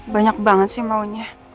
banyak banget sih maunya